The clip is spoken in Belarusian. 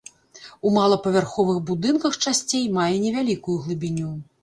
У малапавярховых будынках часцей мае невялікую глыбіню.